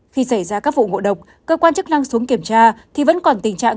khi xảy ra các vụ ngộ độc cơ quan chức năng xuống kiểm tra thì vẫn còn tình trạng